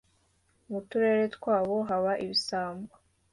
Mu Turere twabo haba ibisambo.